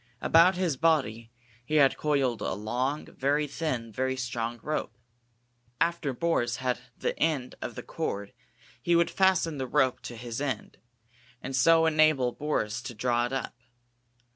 About his body he had coiled a long, very thin, very strong rope. After Boris had the end of the cord he would fasten the rope to his end, and so enable Boris to draw it up.